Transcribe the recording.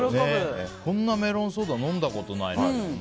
こんなメロンソーダ飲んだことないけどな。